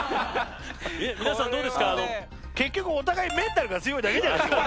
皆さんどうですか結局お互いメンタルが強いだけじゃないですか